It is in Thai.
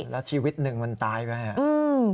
แล้วชีวิตหนึ่งมันตายไหมครับ